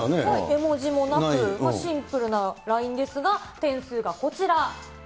絵文字もなく、シンプルなＬＩＮＥですが、点数がこちら。